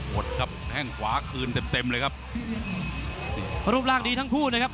ดครับแข้งขวาคืนเต็มเต็มเลยครับรูปร่างดีทั้งคู่นะครับ